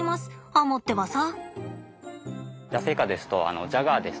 アモってばさ。